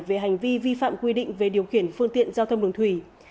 về hành vi vi phạm quy định về điều khiển phương tiện giao thông đường thủy